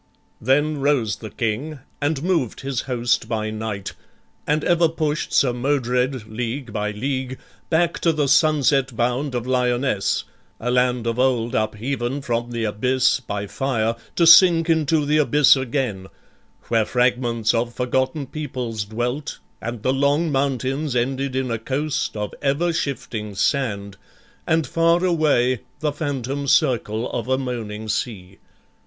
Then rose the King and moved his host by night, And ever push'd Sir Modred, league by league, Back to the sunset bound of Lyonnesse A land of old upheaven from the abyss By fire, to sink into the abyss again; Where fragments of forgotten peoples dwelt, And the long mountains ended in a coast Of ever shifting sand, and far away The phantom circle of a moaning sea.